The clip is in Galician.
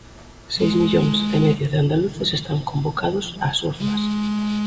Seis millóns e medio de andaluces están convocados ás urnas.